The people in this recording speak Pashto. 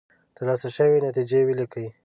ترلاسه شوې نتیجې ولیکئ.